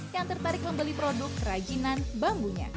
yang tertarik membeli produk kerajinan bambunya